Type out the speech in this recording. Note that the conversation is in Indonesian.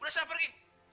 udah saya pergi